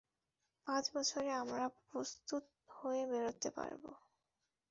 পাঁচ বছরে আমরা প্রস্তুত হয়ে বেরোতে পারব।